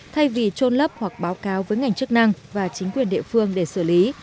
thay vì trôn lấp hoặc báo cáo với ngành chức năng và chính quyền địa phương để xử lý